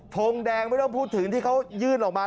ทงแดงไม่ต้องพูดถึงที่เขายื่นออกมา